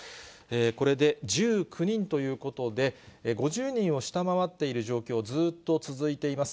これで１９人ということで、５０人を下回っている状況、ずっと続いています。